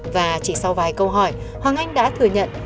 và chỉ sau vài câu hỏi hoàng anh đã thừa nhận